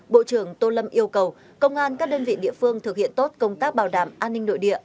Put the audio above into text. bộ trưởng tô lâm yêu cầu công an các đơn vị địa phương thực hiện tốt công tác bảo đảm an ninh nội địa